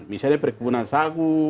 misalnya perkebunan sagu